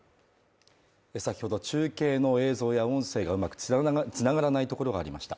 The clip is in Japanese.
先ほど中継の映像や音声がうまく繋がらないところがありました。